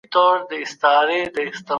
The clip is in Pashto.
هر څوک چي وليمې ته وبلل سو، هغه دي حتمي ورسي.